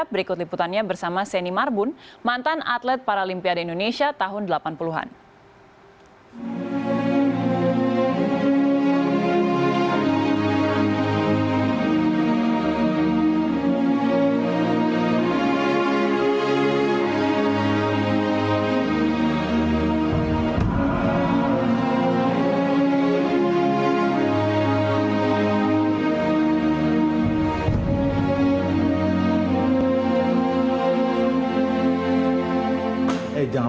berikut liputannya bersama seni marbun mantan atlet paralimpiade indonesia tahun delapan puluh an